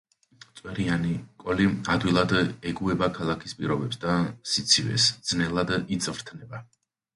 წვერიანი კოლი ადვილად ეგუება ქალაქის პირობებს და სიცივეს, ძნელად იწვრთნება.